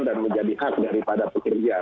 dan menjadi hak daripada pekerja